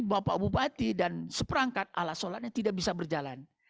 bapak bupati dan seperangkat ala sholatnya tidak bisa berjalan